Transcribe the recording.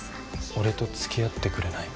俺と付き合ってくれない？